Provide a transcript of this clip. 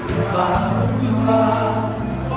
เพื่อบ้านของจุภาพ